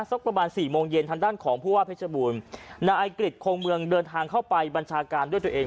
สักประมาณสี่โมงเย็นทางด้านของผู้ว่าเพชรบูรณ์นายกฤษคงเมืองเดินทางเข้าไปบัญชาการด้วยตัวเอง